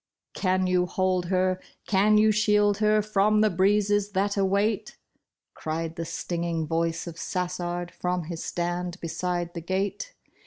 '' Can you hold her, can you shield her from the breezes that await ?" Cried the stinging voice of Sassard from his stand beside the gate.